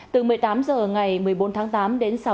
từ một mươi tám h ngày một mươi bốn tháng tám đến sáu